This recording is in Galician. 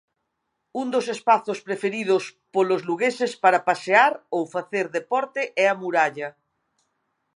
Un dos espazos preferidos polos lugueses para pasear ou facer deporte é a muralla.